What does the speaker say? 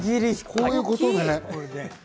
こういうことね。